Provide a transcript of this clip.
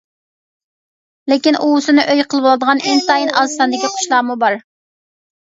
لېكىن ئۇۋىسىنى ئۆي قىلىۋالىدىغان ئىنتايىن ئاز ساندىكى قۇشلارمۇ بار.